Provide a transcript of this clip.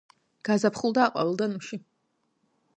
გაზაფხულდა აყვავილდა ნუში